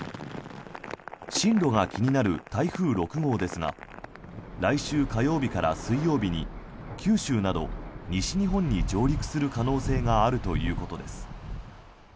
進路が気になる台風６号ですが来週火曜日から水曜日に九州など西日本に上陸する可能性があるということです。